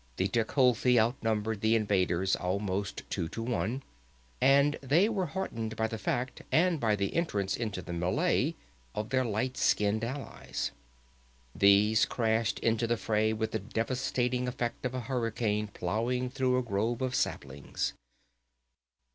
The Tecuhltli outnumbered the invaders almost two to one, and they were heartened by that fact and by the entrance into the mêlée of their light skinned allies. These crashed into the fray with the devastating effect of a hurricane plowing through a grove of saplings.